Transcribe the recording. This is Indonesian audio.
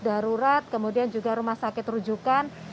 darurat kemudian juga rumah sakit rujukan